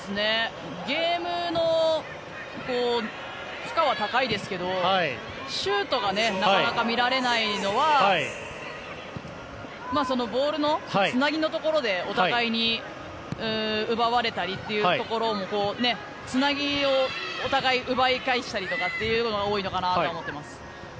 ゲームの負荷は高いですけどシュートがなかなか見られないのはボールのつなぎのところでお互いに奪われたりというところもつなぎをお互い奪い返したりというのが多いのかなとは思ってます。